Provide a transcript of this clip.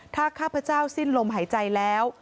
ถ้าข้าพเจ้าสิ้นลมหายใจแล้ว